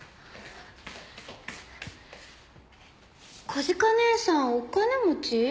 小鹿姐さんお金持ち？